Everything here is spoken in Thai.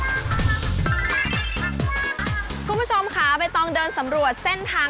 กับการเปิดลอกจินตนาการของเพื่อนเล่นวัยเด็กของพวกเราอย่างโลกของตุ๊กตา